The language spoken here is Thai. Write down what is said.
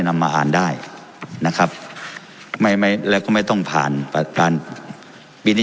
นำมาอ่านได้นะครับไม่ไม่แล้วก็ไม่ต้องผ่านการปีนี้